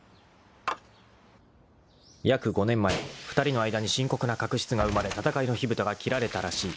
［約５年前２人の間に深刻な確執が生まれ戦いの火ぶたが切られたらしい］